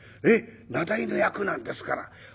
名題の役なんですから。